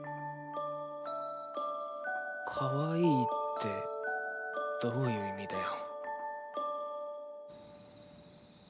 カワイイってどういう意味だよ。